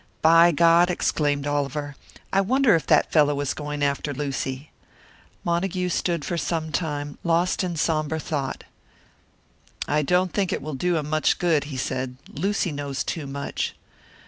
"By God!" exclaimed Oliver, "I wonder if that fellow is going after Lucy!" Montague stood for some time, lost in sombre thought. "I don't think it will do him much good," he said. "Lucy knows too much."